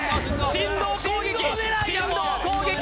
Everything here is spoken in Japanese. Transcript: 振動攻撃！